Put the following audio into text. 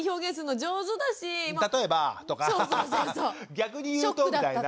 「逆に言うと」みたいな。